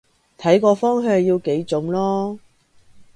睇個方向要幾準囉